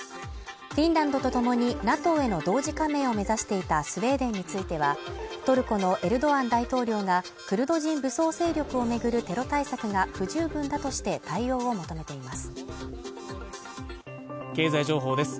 フィンランドともに、ＮＡＴＯへの同時加盟を目指していたスウェーデンについては、トルコのエルドアン大統領がクルド人武装勢力を巡るテロ対策が不十分だとして対応を求めています。